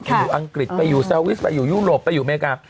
อยู่อังกฤษไปอยู่ซาวิสไปอยู่ยุโรปไปอยู่อเมริกา